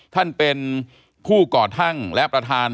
ท่านเป็นผู้ก่อทั่งและประธาน